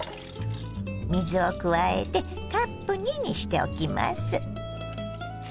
水を加えてカップ２にしておきます。